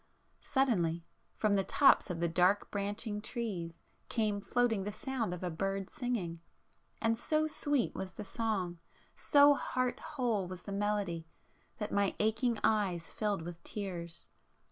Suddenly, from the tops of the dark branching trees, came floating the sound of a bird's singing,—and so sweet was the song, so heart whole was the melody, that my aching eyes filled with tears.